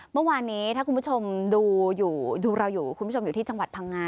เมื่อวานนี้ถ้าคุณผู้ชมดูเราอยู่ที่จังหวัดภังงา